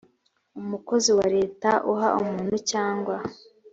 umukozi wa leta uha umuntu cyangwa